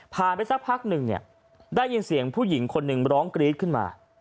ไปสักพักหนึ่งเนี่ยได้ยินเสียงผู้หญิงคนหนึ่งร้องกรี๊ดขึ้นมา